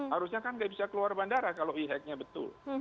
harusnya kan nggak bisa keluar bandara kalau e hack nya betul